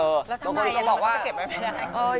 แล้วทำไมมันก็จะเก็บไว้ไว้ไหน